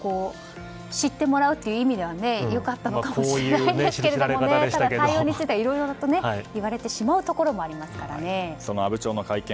知ってもらうという意味では良かったのかもしれませんが対応についてはいろいろと言われてしまうところもその阿武町の会見